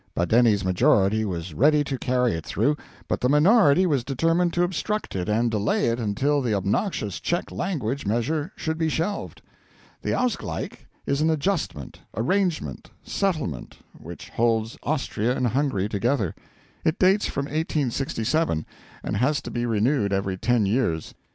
Badeni's majority was ready to carry it through; but the minority was determined to obstruct it and delay it until the obnoxious Czech language measure should be shelved. The Ausgleich is an Adjustment, Arrangement, Settlement, which holds Austria and Hungary together. It dates from 1867, and has to be renewed every ten years.